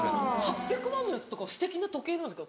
８００万のやつとかすてきな時計なんですか？